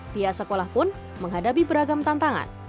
pihak sekolah pun menghadapi beragam tantangan